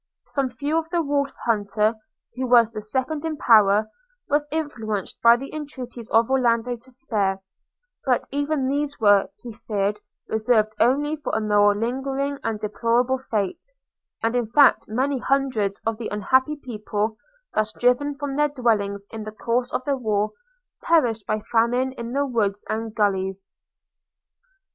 Some few the Wolf hunter, who was the second in power, was influenced by the entreaties of Orlando to spare; but even these were, he feared, reserved only for a more lingering and deplorable fate; and in fact many hundreds of the unhappy people, thus driven from their dwellings in the course of the war, perished by famine in the woods and gullies.